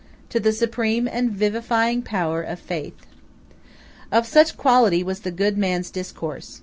To the supreme and vivifying power of Faith. Of such quality was the good man's discourse.